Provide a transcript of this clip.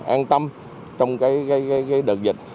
an tâm trong đợt dịch